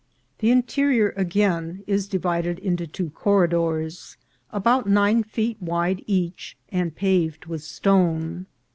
351 The interior, again, is divided into two corridors, about nine feet wide each, and paved with stone.